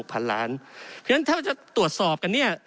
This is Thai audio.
เพราะฉะนั้นถ้าจะตรวจสอบกันเนี่ย